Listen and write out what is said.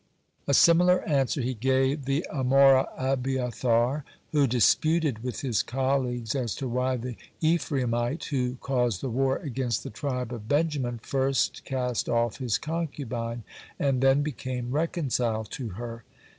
(80) A similar answer he gave the Amora Abiathar, who disputed with his colleagues as to why the Ephraimite who cause the war against the tribe of Benjamin first cast off his concubine, and then became reconciled to her.